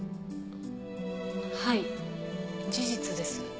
はい事実です。